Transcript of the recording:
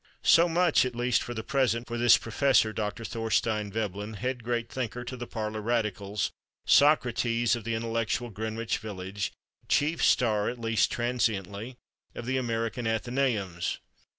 So much, at least for the present, for this Prof. Dr. Thorstein Veblen, head Great Thinker to the parlor radicals, Socrates of the intellectual Greenwich Village, chief star (at least transiently) of the American Athenæums.